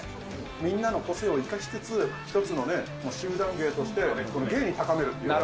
みんなの個性を生かしつつ、１つのね、集団芸として芸に高めるという。